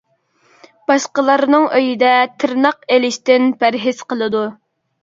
باشقىلارنىڭ ئۆيىدە تىرناق ئېلىشتىن پەرھىز قىلىدۇ.